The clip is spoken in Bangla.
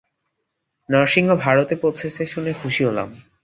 নরসিংহ ভারতে পৌঁছেছে শুনে সুখী হলাম।